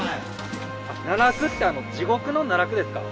奈落って地獄の奈落ですか？